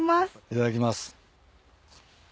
いただきます。